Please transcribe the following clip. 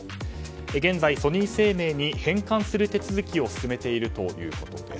現在、ソニー生命に変換する手続きを進めているということです。